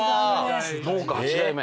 農家８代目？